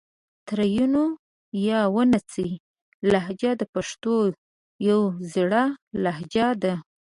ترینو یا وڼېڅي لهجه د پښتو یو زړه لهجه ده